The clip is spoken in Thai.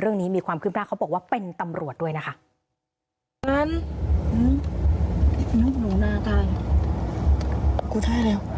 เรื่องนี้มีความคืบหน้าเขาบอกว่าเป็นตำรวจด้วยนะคะ